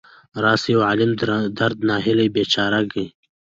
را سره يو عالم درد، ناهيلۍ ،بېچاره ګۍ.